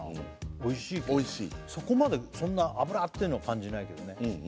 おいしいそこまでそんな脂っていうのは感じないけどね